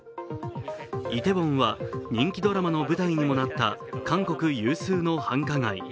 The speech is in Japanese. イテウォンは、人気ドラマの舞台にもなった韓国有数の繁華街。